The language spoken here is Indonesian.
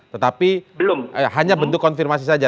tetapi hanya bentuk konfirmasi saja